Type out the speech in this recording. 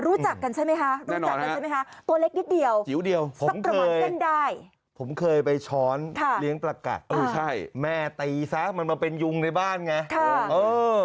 รู้จักกันใช่ไหมฮะรู้จักกันใช่ไหมฮะตัวเล็กนิดเดียวสักต่อมันกันได้แม่ตีซะมันมาเป็นยุงในบ้านไงโอ้